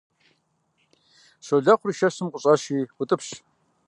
Щолэхъур шэщым къыщӀэши утӀыпщ.